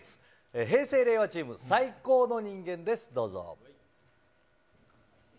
平成・令和チーム、最高の人間です、どうぞ。